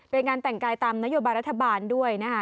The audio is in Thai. เป็นงานแต่งกายตามนโยบายรัฐบาลด้วยนะคะ